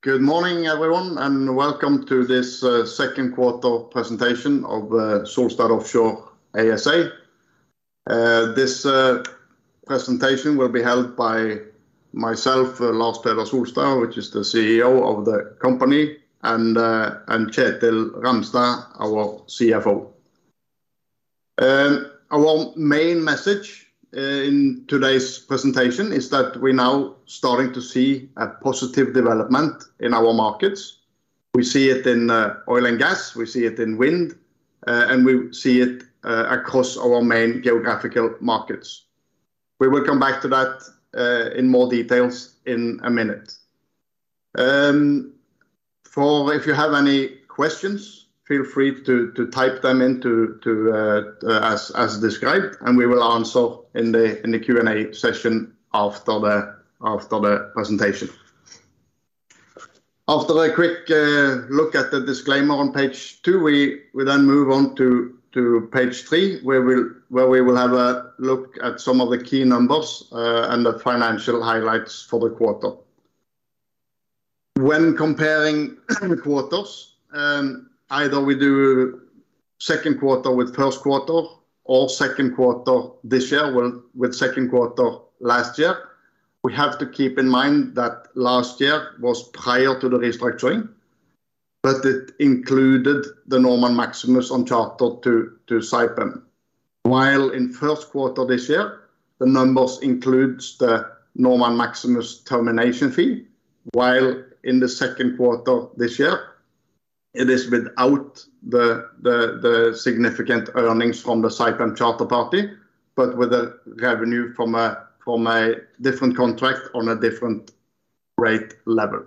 Good morning, everyone, and welcome to this Second Quarter Presentation of Solstad Offshore ASA. This presentation will be held by myself, Lars Peder Solstad, who is the CEO of the company, and Kjetil Ramstad, our CFO. Our main message in today's presentation is that we are now starting to see a positive development in our markets. We see it in oil and gas, we see it in wind, and we see it across our main geographical markets. We will come back to that in more detail in a minute. If you have any questions, feel free to type them in as described, and we will answer in the Q&A session after the presentation. After a quick look at the disclaimer on page two, we then move on to page three, where we will have a look at some of the key numbers and the financial highlights for the quarter. When comparing quarters, either we do second quarter with first quarter or second quarter this year with second quarter last year, we have to keep in mind that last year was prior to the restructuring, but it included the Normand Maximus on charter to Saipem. While in first quarter this year, the numbers include the Normand Maximus termination fee, while in the second quarter this year, it is without the significant earnings from the Saipem charter party, but with a revenue from a different contract on a different rate level.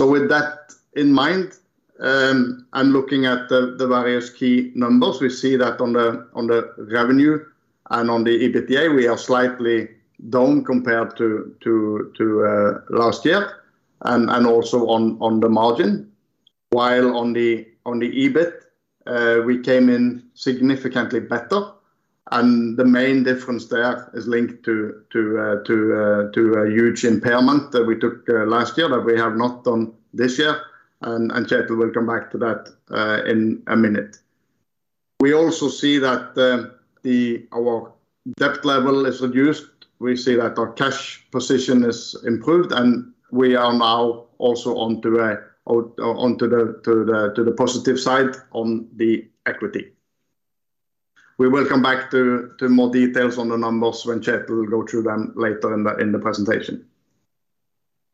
With that in mind and looking at the various key numbers, we see that on the revenue and on the EBITDA, we are slightly down compared to last year and also on the margin. While on the EBIT, we came in significantly better, and the main difference there is linked to a huge impairment that we took last year that we have not done this year, and Kjetil will come back to that in a minute. We also see that our debt level is reduced. We see that our cash position is improved, and we are now also onto the positive side on the equity. We will come back to more details on the numbers when Kjetil will go through them later in the presentation.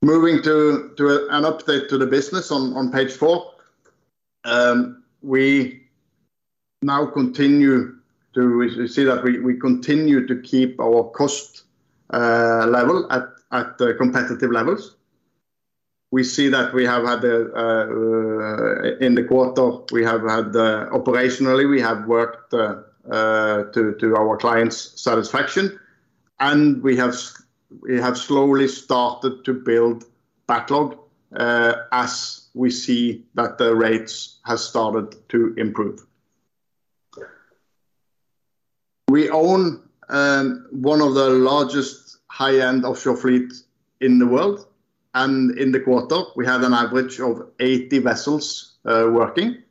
Moving to an update to the business on page four, we now continue to see that we continue to keep our cost level at competitive levels. We see that we have had in the quarter, we have had operationally, we have worked to our client's satisfaction, and we have slowly started to build backlog as we see that the rates have started to improve. We own one of the largest high-end offshore fleets in the world, and in the quarter, we had an average of 80 vessels working,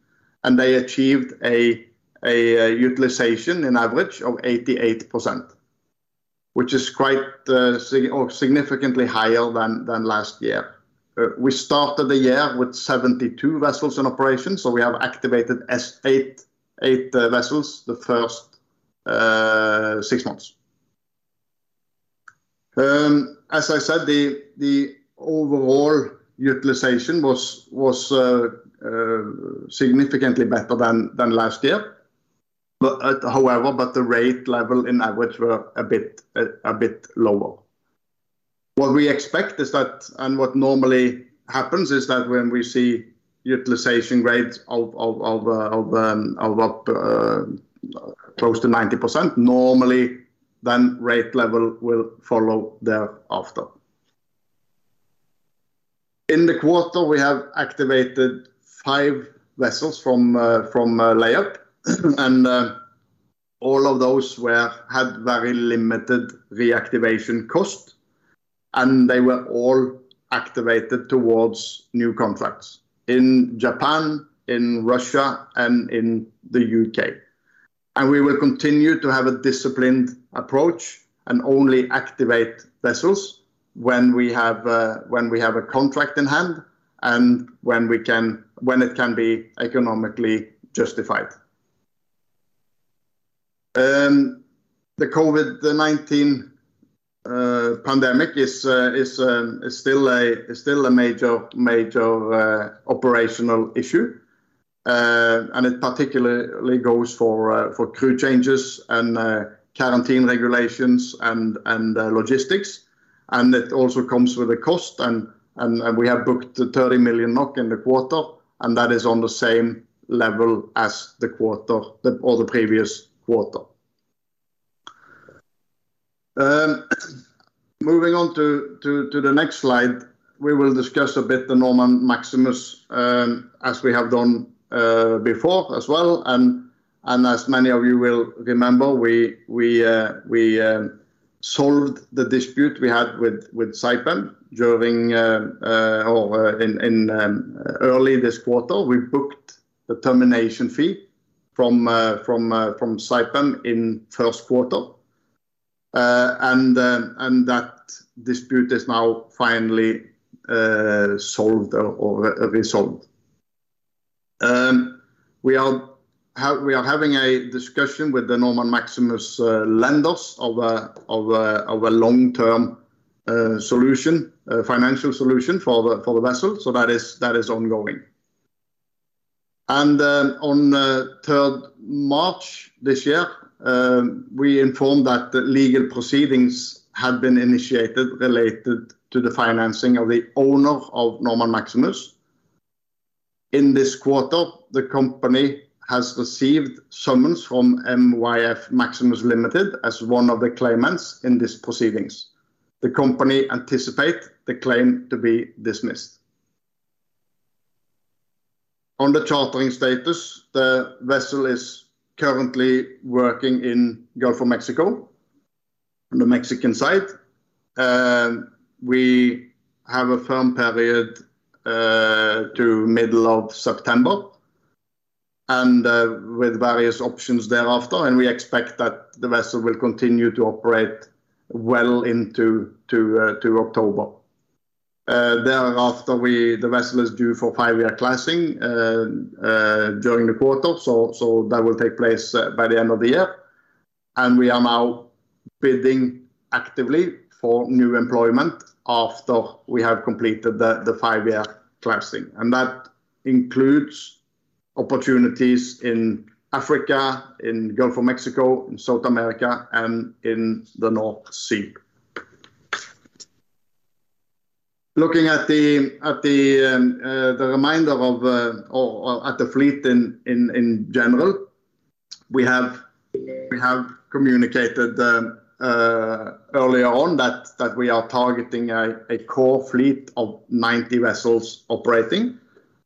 and they achieved a utilization in average of 88%, which is quite significantly higher than last year. We started the year with 72 vessels in operation, so we have activated eight vessels the first six months. As I said, the overall utilization was significantly better than last year, however, the rate level in average were a bit lower. What we expect is that, and what normally happens, is that when we see utilization rates of close to 90%, normally then rate level will follow thereafter. In the quarter, we have activated five vessels from layup, and all of those had very limited reactivation cost, and they were all activated towards new contracts in Japan, in Russia, and in the UK. We will continue to have a disciplined approach and only activate vessels when we have a contract in hand and when it can be economically justified. The COVID-19 pandemic is still a major operational issue, and it particularly goes for crew changes and quarantine regulations and logistics. It also comes with a cost, and we have booked 30 million NOK in the quarter, and that is on the same level as the previous quarter. Moving on to the next slide, we will discuss a bit the Normand Maximus as we have done before as well. As many of you will remember, we solved the dispute we had with Saipem. During or in early this quarter, we booked the termination fee from Saipem in the first quarter, and that dispute is now finally solved or resolved. We are having a discussion with the Normand Maximus lenders of a long-term financial solution for the vessel, so that is ongoing. On 3rd March this year, we informed that legal proceedings have been initiated related to the financing of the owner of Normand Maximus. In this quarter, the company has received summons from MYF Maximus Limited as one of the claimants in these proceedings. The company anticipates the claim to be dismissed. On the chartering status, the vessel is currently working in Gulf of Mexico on the Mexican side. We have a firm period to the middle of September with various options thereafter, and we expect that the vessel will continue to operate well into October. Thereafter, the vessel is due for five-year classing during the quarter, so that will take place by the end of the year. We are now bidding actively for new employment after we have completed the five-year classing. That includes opportunities in Africa, the Gulf of Mexico, South America, and the North Sea. Looking at the remainder of the fleet in general, we have communicated earlier that we are targeting a core fleet of 90 vessels operating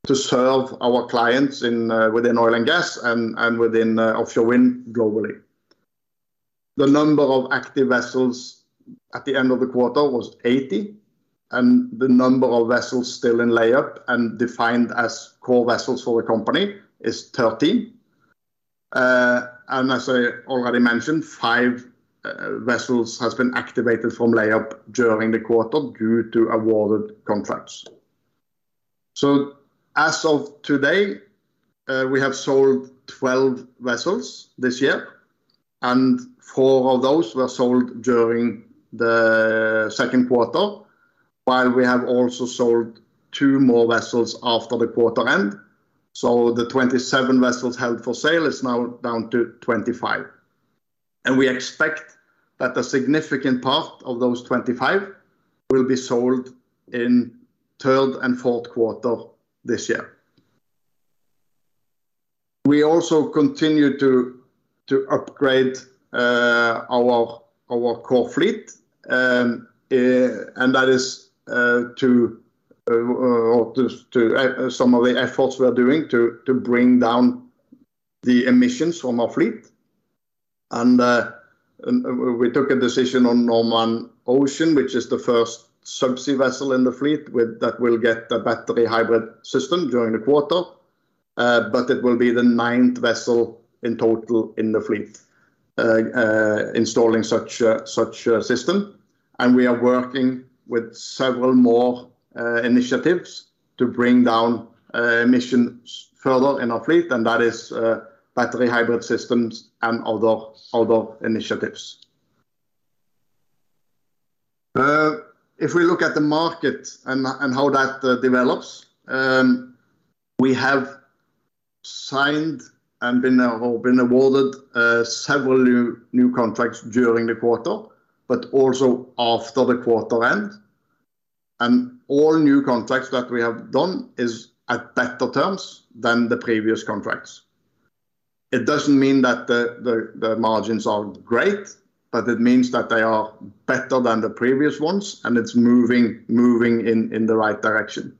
to serve our clients within oil and gas and within offshore wind globally. The number of active vessels at the end of the quarter was 80, and the number of vessels still in layup and defined as core vessels for the company is 13. As I already mentioned, five vessels have been activated from layup during the quarter due to awarded contracts. As of today, we have sold 12 vessels this year, and four of those were sold during the second quarter, while we have also sold two more vessels after the quarter end. The 27 vessels held for sale are now down to 25. We expect that a significant part of those 25 will be sold in the third and fourth quarter this year. We also continue to upgrade our core fleet, and that is some of the efforts we are doing to bring down the emissions from our fleet. We took a decision on Normand Ocean, which is the first subsea vessel in the fleet that will get the battery hybrid system during the quarter, but it will be the ninth vessel in total in the fleet installing such a system. We are working with several more initiatives to bring down emissions further in our fleet, and that is battery hybrid systems and other initiatives. If we look at the market and how that develops, we have signed and been awarded several new contracts during the quarter, but also after the quarter end. All new contracts that we have done are at better terms than the previous contracts. It does not mean that the margins are great, but it means that they are better than the previous ones, and it is moving in the right direction.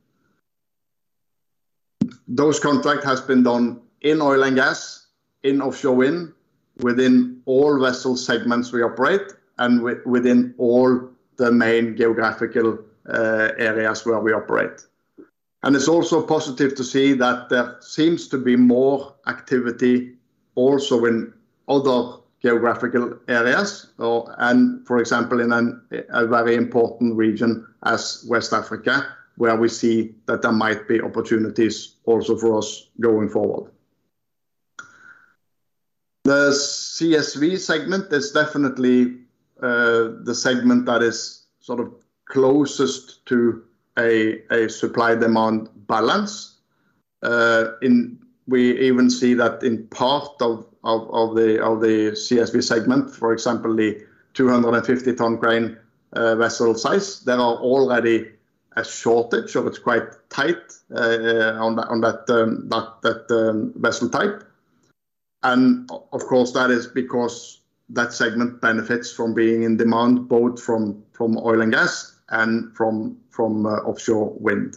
Those contracts have been done in oil and gas, in offshore wind, within all vessel segments we operate, and within all the main geographical areas where we operate. It is also positive to see that there seems to be more activity also in other geographical areas, for example, in a very important region as West Africa, where we see that there might be opportunities also for us going forward. The CSV segment is definitely the segment that is sort of closest to a supply-demand balance. We even see that in part of the CSV segment, for example, the 250-ton crane vessel size, there are already a shortage, so it's quite tight on that vessel type. Of course, that is because that segment benefits from being in demand both from oil and gas and from offshore wind.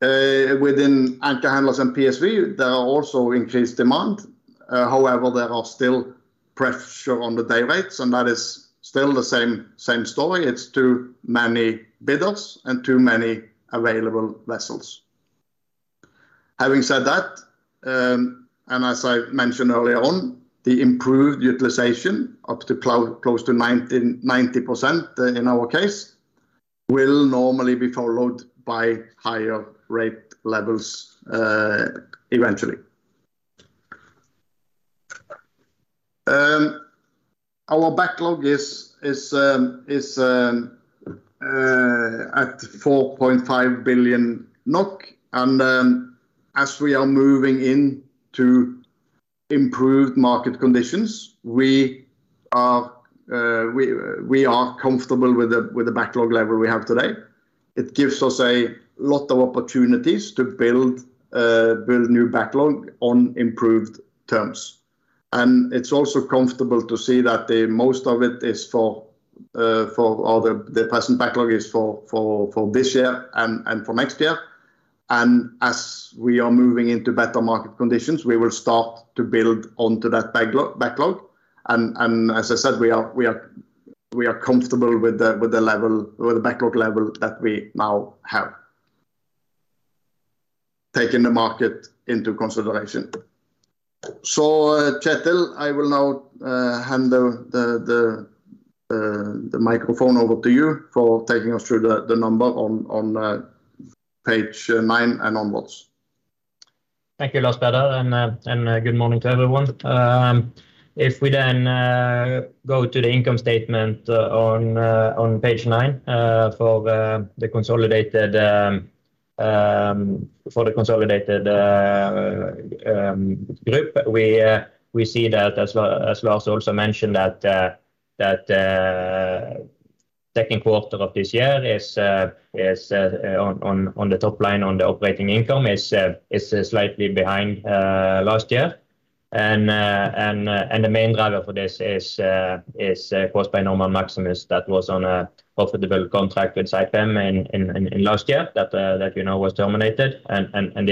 Within anchor handlers and PSV, there are also increased demands. However, there is still pressure on the day rates, and that is still the same story. It's too many bidders and too many available vessels. Having said that, as I mentioned earlier on, the improved utilization up to close to 90% in our case will normally be followed by higher rate levels eventually. Our backlog is at 4.5 billion NOK, and as we are moving into improved market conditions, we are comfortable with the backlog level we have today. It gives us a lot of opportunities to build new backlog on improved terms. It's also comfortable to see that most of the present backlog is for this year and for next year. As we are moving into better market conditions, we will start to build onto that backlog. As I said, we are comfortable with the level or the backlog level that we now have, taking the market into consideration. Kjetil, I will now hand the microphone over to you for taking us through the number on page nine and onwards. Thank you, Lars Peder, and good morning to everyone. If we then go to the income statement on page nine for the consolidated group, we see that, as Lars also mentioned, the second quarter of this year is on the top line on the operating income, is slightly behind last year. The main driver for this is caused by Normand Maximus that was on a profitable contract with Saipem in last year that we know was terminated.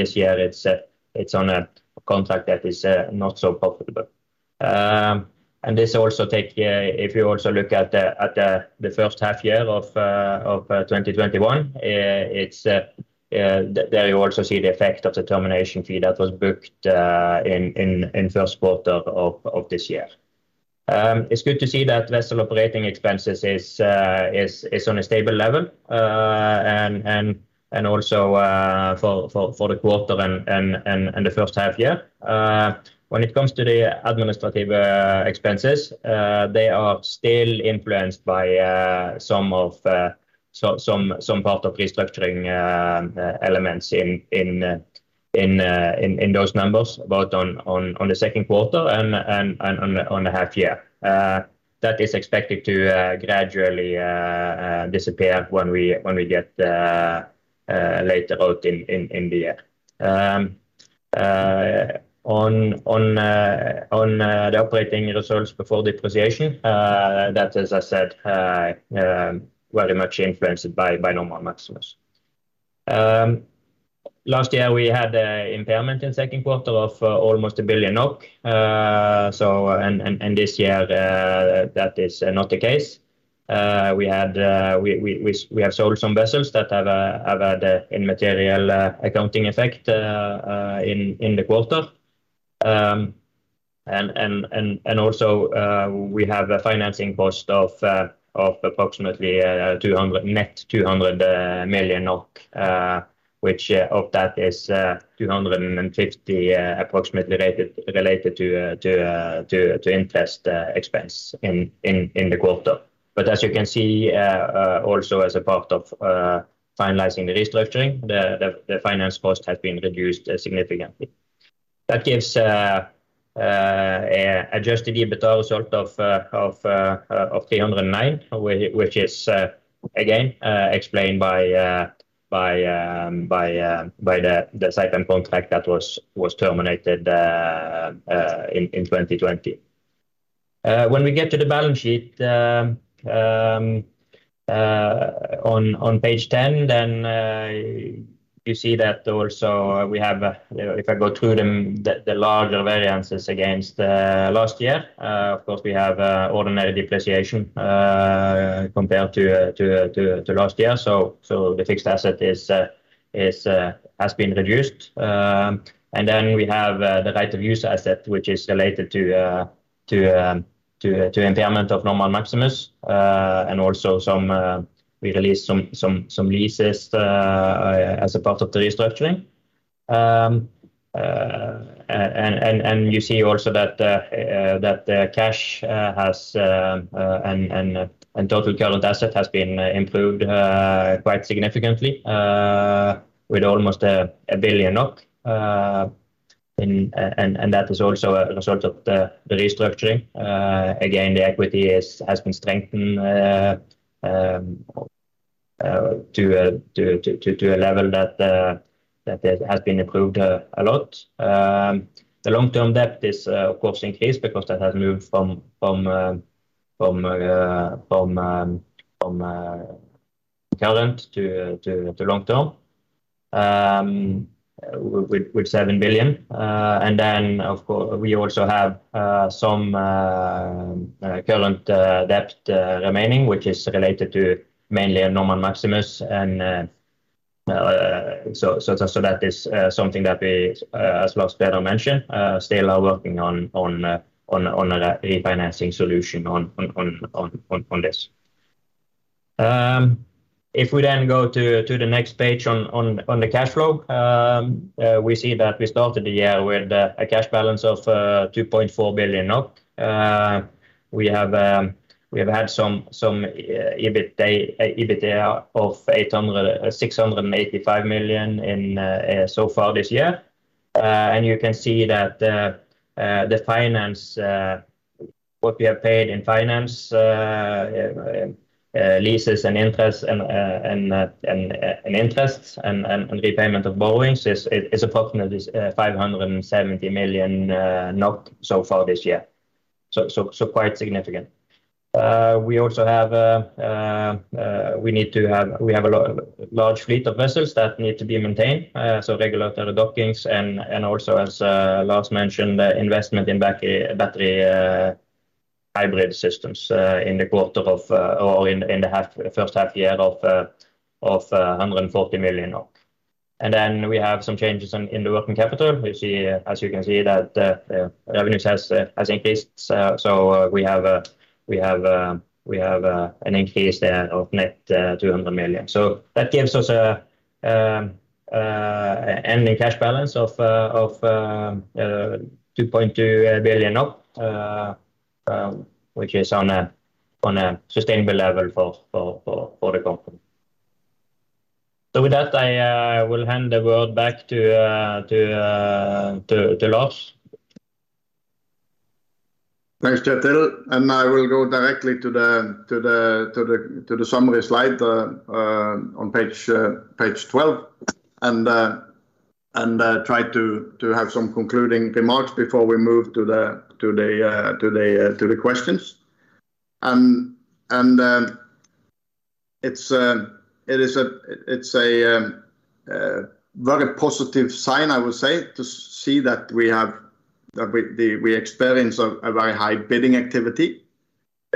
This year, it's on a contract that is not so profitable. If you also look at the first half year of 2021, there you also see the effect of the termination fee that was booked in the first quarter of this year. It's good to see that vessel operating expenses are on a stable level, also for the quarter and the first half year. When it comes to the administrative expenses, they are still influenced by some part of restructuring elements in those numbers, both on the second quarter and on the half year. That is expected to gradually disappear when we get later out in the year. On the operating results before depreciation, that is, as I said, very much influenced by Normand Maximus. Last year, we had an impairment in the second quarter of almost 1 billion. In this year, that is not the case. We have sold some vessels that have had an immaterial accounting effect in the quarter. We have a financing cost of approximately net 200 million, which of that is 250 million approximately related to interest expense in the quarter. As you can see, also as a part of finalizing the restructuring, the finance cost has been reduced significantly. That gives an adjusted EBITDA result of 309 million, which is again explained by the Saipem contract that was terminated in 2020. When we get to the balance sheet on page 10, you see that also we have, if I go through them, the larger variances against last year. Of course, we have ordinary depreciation compared to last year, so the fixed asset has been reduced. We have the right-of-use asset, which is related to impairment of Normand Maximus. We released some leases as a part of the restructuring. You see also that the cash and total current asset has been improved quite significantly with almost 1 billion NOK. That is also a result of the restructuring. Again, the equity has been strengthened to a level that has been improved a lot. The long-term debt is, of course, increased because that has moved from current to long-term with 7 billion. Of course, we also have some current debt remaining, which is related to mainly Normand Maximus. That is something that we, as Lars Peder mentioned, still are working on a refinancing solution on this. If we then go to the next page on the cash flow, we see that we started the year with a cash balance of 2.4 billion. We have had some EBITDA of 685 million so far this year. You can see that what we have paid in finance, leases, and interests and repayment of borrowings is approximately 570 million so far this year, so quite significant. We also have a large fleet of vessels that need to be maintained, so regulatory dockings and also, as Lars mentioned, investment in battery hybrid systems in the quarter or in the first half year of 140 million. We have some changes in the working capital. As you can see, the revenues have increased, so we have an increase there of net 200 million. That gives us an ending cash balance of 2.2 billion, which is on a sustainable level for the company. With that, I will hand the word back to Lars. Thanks, Kjetil. I will go directly to the summary slide on page 12 and try to have some concluding remarks before we move to the questions. It's a very positive sign, I would say, to see that we have experienced a very high bidding activity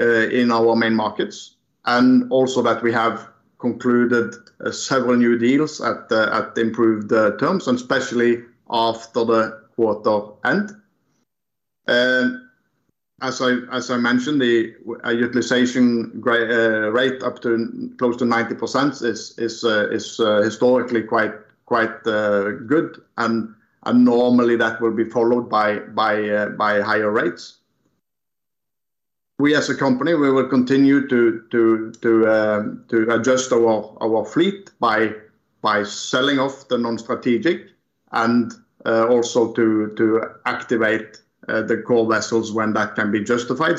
in our main markets and also that we have concluded several new deals at improved terms, especially after the quarter end. As I mentioned, the utilization rate up to close to 90% is historically quite good. Normally, that will be followed by higher rates. We, as a company, will continue to adjust our fleet by selling off the non-strategic and also to activate the core vessels when that can be justified.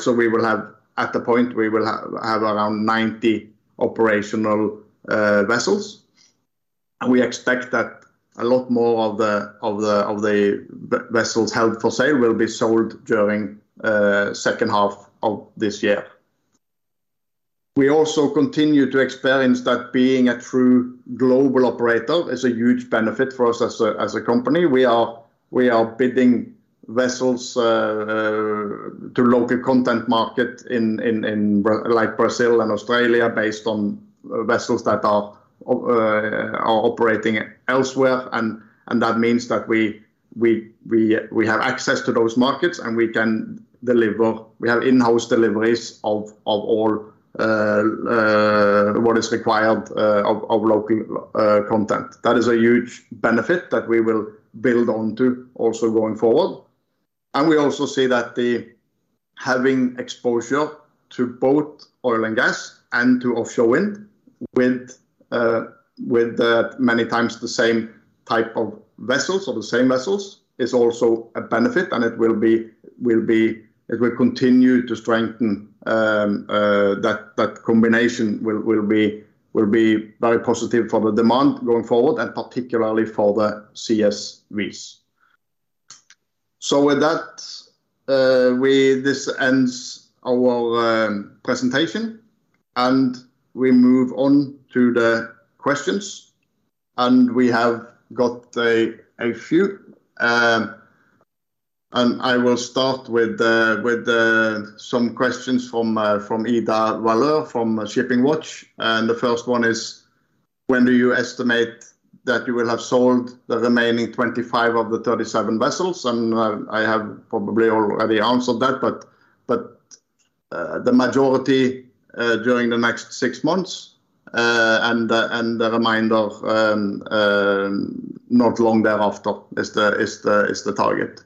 At the point, we will have around 90 operational vessels. We expect that a lot more of the vessels held for sale will be sold during the second half of this year. We also continue to experience that being a true global operator is a huge benefit for us as a company. We are bidding vessels to local content markets in places like Brazil and Australia based on vessels that are operating elsewhere. That means that we have access to those markets and we can deliver. We have in-house deliveries of all what is required of local content. That is a huge benefit that we will build onto also going forward. We also see that having exposure to both oil and gas and to offshore wind with many times the same type of vessels or the same vessels is also a benefit. It will continue to strengthen that combination, which will be very positive for the demand going forward and particularly for the CSVs. This ends our presentation and we move on to the questions. We have got a few. I will start with some questions from Idha Valeur from ShippingWatch. The first one is, when do you estimate that you will have sold the remaining 25 of the 37 vessels? I have probably already answered that, but the majority during the next six months and the remainder not long thereafter is the target.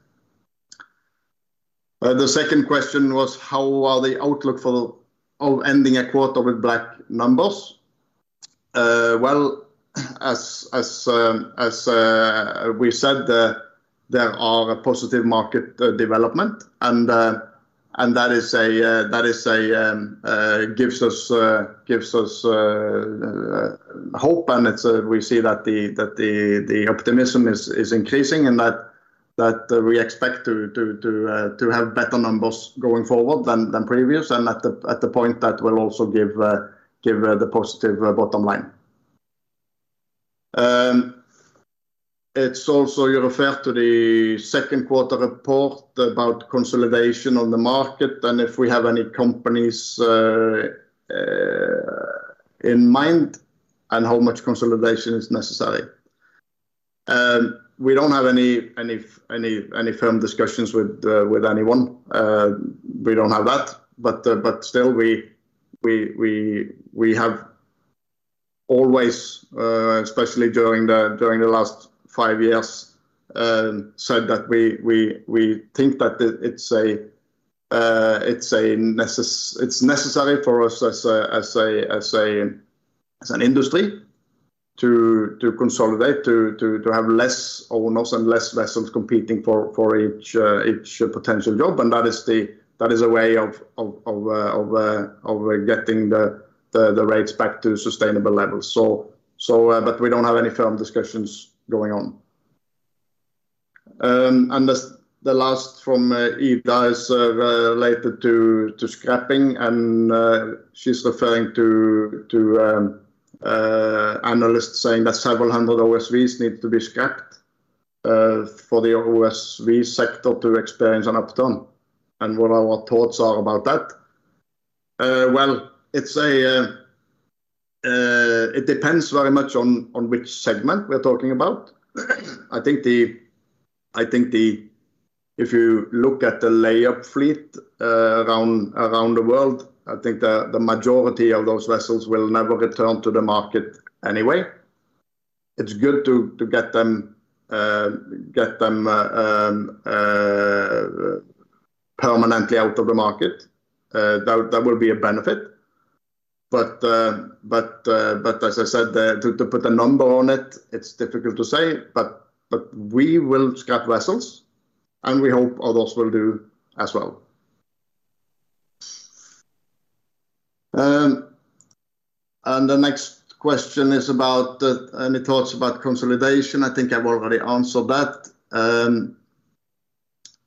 The second question was, how are the outlook for ending a quarter with black numbers? As we said, there are positive market developments. That gives us hope. We see that the optimism is increasing and that we expect to have better numbers going forward than previous and at the point that will also give the positive bottom line. You refer to the second quarter report about consolidation in the market and if we have any companies in mind and how much consolidation is necessary. We don't have any firm discussions with anyone. We don't have that. We have always, especially during the last five years, said that we think that it's necessary for us as an industry to consolidate, to have fewer owners and fewer vessels competing for each potential job. That is a way of getting the rates back to sustainable levels. We don't have any firm discussions going on. The last from Ida is related to scrapping. She's referring to analysts saying that several hundred OSVs need to be scrapped for the OSV sector to experience an upturn, and what our thoughts are about that. It depends very much on which segment we're talking about. If you look at the layup fleet around the world, the majority of those vessels will never return to the market anyway. It's good to get them permanently out of the market. That will be a benefit. To put a number on it is difficult to say. We will scrap vessels, and we hope others will do as well. The next question is about any thoughts about consolidation. I think I've already answered that.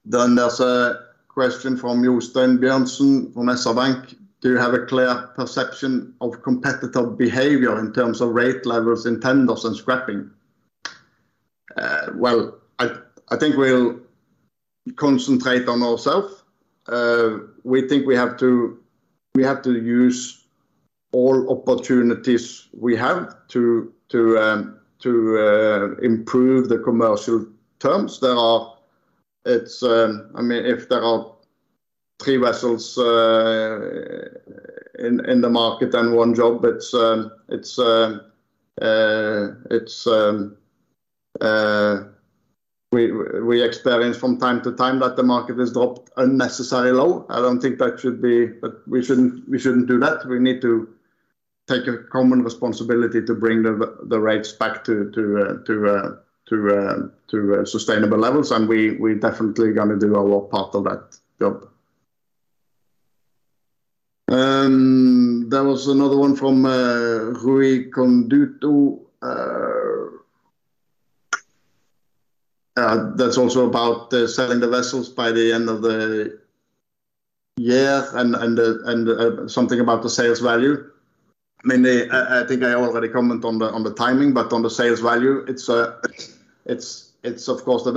There's a question from Jostin Bjornsson from SR Bank. Do you have a clear perception of competitor behavior in terms of rate levels in tenders and scrapping? I think we'll concentrate on ourselves. We think we have to use all opportunities we have to improve the commercial terms. If there are three vessels in the market and one job, we experience from time to time that the market has dropped unnecessarily low. I don't think that should be, but we shouldn't do that. We need to take a common responsibility to bring the rates back to sustainable levels. We're definitely going to do our part of that job. There was another one from Rui Conduto. That's also about selling the vessels by the end of the year and something about the sales value. Mainly, I think I already commented on the timing, but on the sales value, the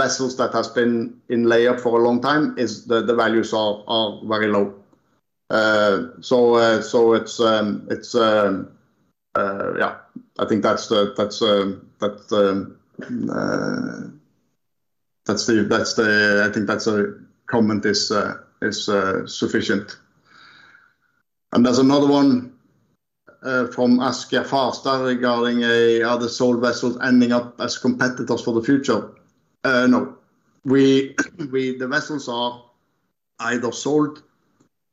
vessels that have been in layup for a long time, the values are very low. I think that's a comment that is sufficient. There's another one from Askia Faster regarding are the sold vessels ending up as competitors for the future. No. The vessels are either sold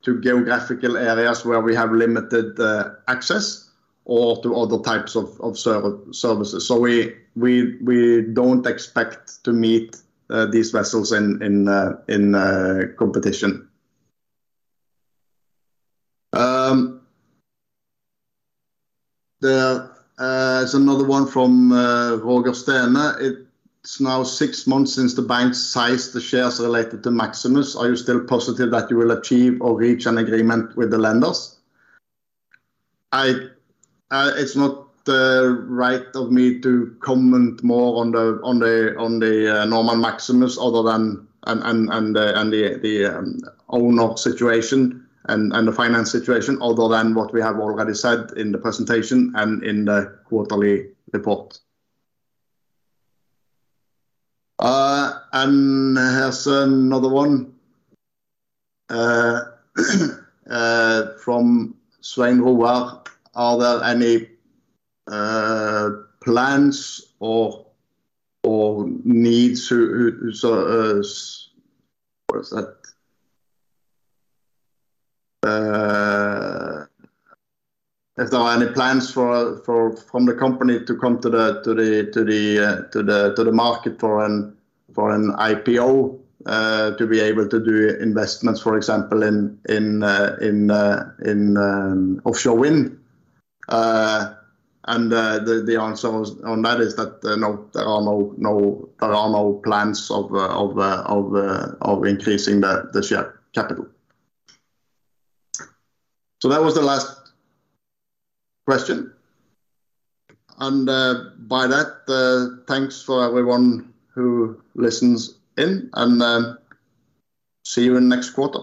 to geographical areas where we have limited access or to other types of services. We don't expect to meet these vessels in competition. There's another one from Roger Stene. It's now six months since the bank seized the shares related to Maximus. Are you still positive that you will achieve or reach an agreement with the lenders? It's not the right of me to comment more on the Normand Maximus other than the owner situation and the finance situation other than what we have already said in the presentation and in the quarterly report. Here's another one from Swain Rouar. Are there any plans or needs? Is there any plans from the company to come to the market for an IPO to be able to do investments, for example, in offshore wind? The answer on that is that no, there are no plans of increasing the share capital. That was the last question. By that, thanks for everyone who listens in, and see you in the next quarter.